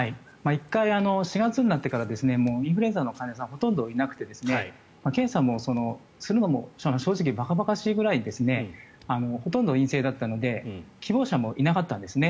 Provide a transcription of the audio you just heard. １回、４月になってからインフルエンザの患者さんほとんどいなくて検査をするのも正直ばかばかしいぐらいほとんど陰性だったので希望者もいなかったんですね。